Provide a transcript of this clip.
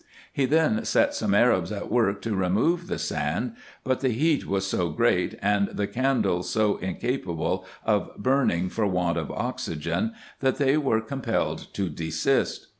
He then set some Arabs at work, to remove the sand : but the heat was so great, and the candles so incapable of burning, for want of oxygen, that they were compelled to desist.